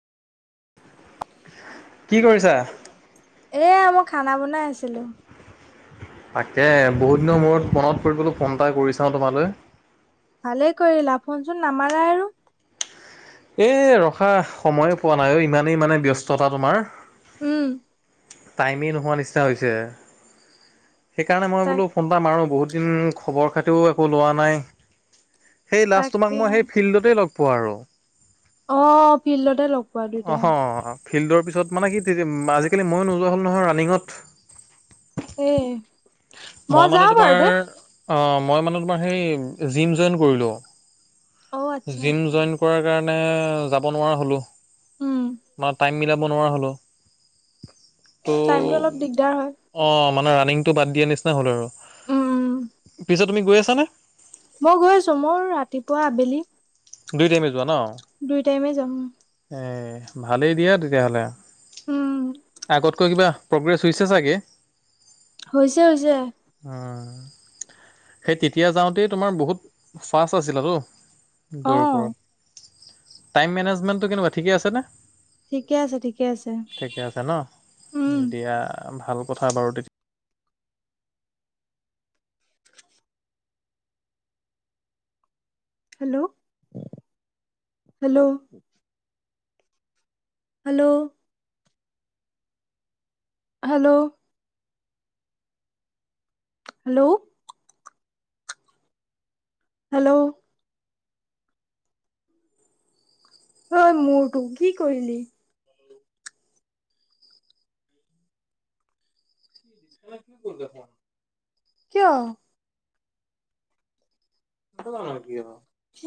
কি কৰিছা? এয়া মই খানা বনাই আছিলো। তাকে বহুত দিনৰ মূৰত মনত পৰিল বোলো ফোন এটা কৰি চাওঁ তোমালৈ। ভালে কৰিলা ফোন চুন নামাৰাই আৰু। এই ৰখা সময়ে পোৱা নাই অ, ইমানেই মানে ব্যস্ততা তোমাৰ। উম। টাইমেই নোহোৱা নিচিনা হৈছে, সেইকাৰণে ম'ই তাক বোলো ফোনটা মাৰো বহুত দিন খবৰ খাতিও একো লোৱা নাই। সেই লাষ্ট তোমাক তাকে মই সেই ফিল্ডতেই লগ পোৱা আৰু। অঁ ফিল্ডতে লগ পোৱা দুইটাই অঁহ অঁ ফিল্ডৰ পিছত মানে কি আজিকালি মইো নোযোৱা হলো নহয় ৰান্নিংত। [inaudible] মই মানে যাওঁ বাৰু তোমাৰ দে অঁ, মই মানে তোমাৰ সেই জিম জইন কৰিলোঁ, অ আচ্ছা জিম জইন কৰাৰ কাৰনে যাব নোৱাৰা হলো উম বা টাই মিলাব নোৱাৰা হলো, টাইমটো অলপ দিগদাৰ হয় তহ অঁ, মানে ৰানিংটো বাদ দিয়া নিচিনা হ'ল উম উম আৰু। পিছে তুমি গৈ আছানে? মই গৈ আছো মোৰ ৰাতিপুৱা আবেলি। দুই টাইমে যোৱা ন? দুই টাইমে যাম। এ ভালেই দিয়া তেতিয়া হ'লে, উম আগতকৈ কিবা প্ৰগ্ৰেছ হৈছে ছাগে। হৈছে হৈছে। অঁ, সেই তেতিয়া যাওঁতেই তোমাৰ বহুত ফাষ্ট আছিলতো। অ দৰ কৰত, টাইম মেনেজমেন্টটো কেনেকুৱা, ঠিকে আছেনে? ঠিকে আছে ঠিকে আছে ঠিকে আছে ন, উম দিয়া ভাল কথা বাৰু তে hello hello. Hello. Hello. Hello. Hello. অই মোৰটো কি কৰিলি? কিয়? [inaudible]